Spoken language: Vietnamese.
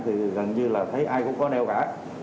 thì gần như là thấy ai cũng có neo cả